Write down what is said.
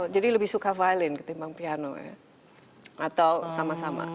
jadi lebih suka violin ketimbang piano ya atau sama sama